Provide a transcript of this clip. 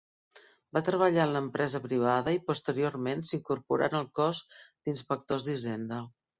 Va treballar en l'empresa privada i posteriorment s'incorporà en el cos d'inspectors d'hisenda.